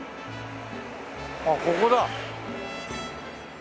ああここだ。